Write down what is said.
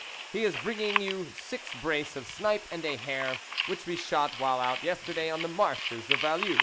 ^"..." He is bringing you six brace of snipe and a hare, which we shot while out yes terday on the marshes of Vallue.